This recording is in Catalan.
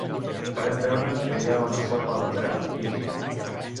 Farem veure que hi ha una forma d"entrar, Kitty.